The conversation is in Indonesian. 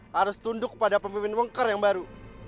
harus tunduk pada pemimpin wongker yang baru